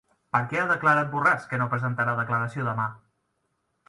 Per què ha declarat Borràs que no prestarà declaració demà?